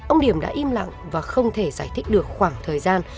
ông điểm đã im lặng và không thể giải thích được khoảng thời gian